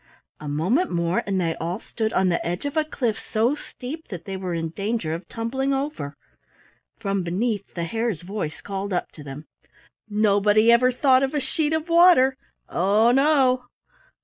A moment more and they all stood on the edge of a cliff so steep that they were in danger of tumbling over. From beneath the Hare's voice called up to them, "Nobody ever thought of a sheet of water oh, no!"